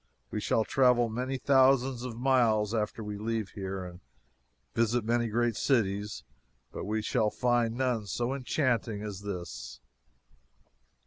We shall travel many thousands of miles after we leave here and visit many great cities, but we shall find none so enchanting as this.